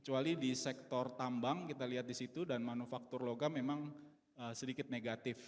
kecuali di sektor tambang kita lihat di situ dan manufaktur logam memang sedikit negatif